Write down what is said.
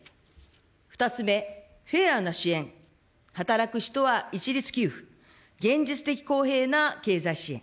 ２つ目、フェアな支援、働く人は一律給付、現実的公平な経済支援。